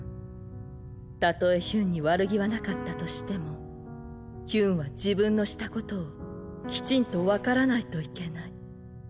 たとえヒュンに悪気はなかったとしてもヒュンは自分のしたことをきちんと分からないといけない。